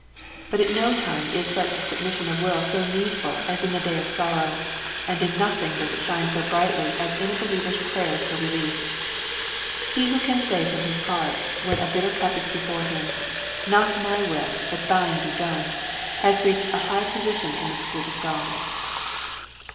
But at no time is such submission of will so needful as in the day of sorrow, and in nothing does it shine so brigthly as in a believer's prayers for relief. He who can say from his heart, when a bitter cup is before him, " Not my will, but thine be done," has reached a high position in the school of God.